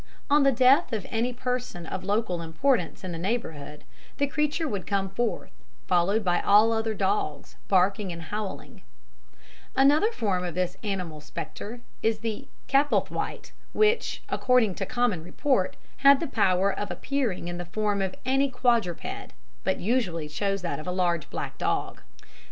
On the death of any person of local importance in the neighbourhood the creature would come forth, followed by all the other dogs, barking and howling. (Henderson refers to these hauntings in his Folk lore of Northern Counties.) Another form of this animal spectre is the Capelthwaite, which, according to common report, had the power of appearing in the form of any quadruped, but usually chose that of a large, black dog.